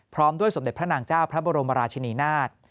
พร้อมด้วยสมเด็จพระนางเจ้าพระบรมราชินีนาฏ